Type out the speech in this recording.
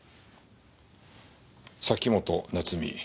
崎本菜津美。